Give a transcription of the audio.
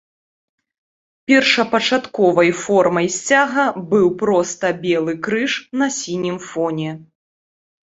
Першапачатковай формай сцяга быў проста белы крыж на сінім фоне.